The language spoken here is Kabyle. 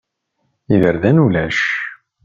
Iberdan ulac.